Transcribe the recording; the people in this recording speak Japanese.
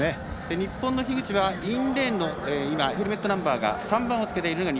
日本の樋口はインレーンのヘルメットナンバー３番です。